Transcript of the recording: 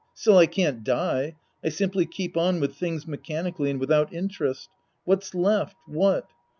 Still I can't die. I simply keep on with things mechanically and without interest. What's left, what